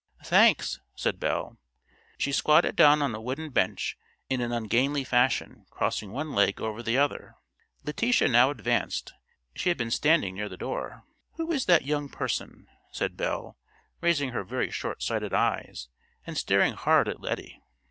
"Thanks," said Belle. She squatted down on a wooden bench in an ungainly fashion, crossing one leg over the other. Letitia now advanced; she had been standing near the door. "Who is that young person?" said Belle, raising her very short sighted eyes, and staring hard at Lettie.